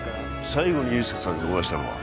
最後に憂助さんにお会いしたのは？